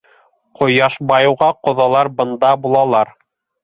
— Ҡояш байыуға ҡоҙалар бында булалар.